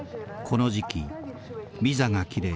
この時期ビザが切れ